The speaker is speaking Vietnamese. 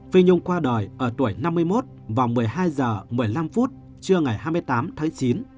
phi nhung qua đời ở tuổi năm mươi một vào một mươi hai h một mươi năm phút trưa ngày hai mươi tám tháng chín